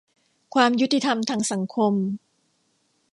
ความยุติธรรมทางสังคม